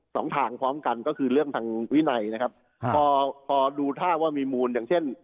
สองทางพร้อมกันก็คือเรื่องทางวินัยนะครับพอพอดูท่าว่ามีมูลอย่างเช่น